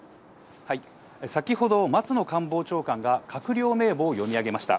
先ほど、松野官房長官が閣僚名簿を読み上げました。